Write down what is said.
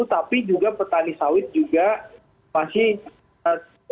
tapi juga petani sawit juga masih